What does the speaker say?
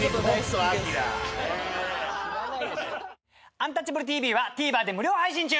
「アンタッチャブるＴＶ」はＴＶｅｒで無料配信中！